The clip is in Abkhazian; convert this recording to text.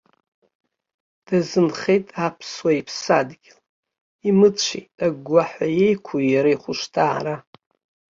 Дазынхеит аԥсуа иԥсадгьыл, имыцәеит, агәгәаҳәа еиқәуп иара ихәышҭаара.